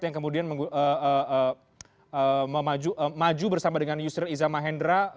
yang kemudian maju bersama dengan yusril iza mahendra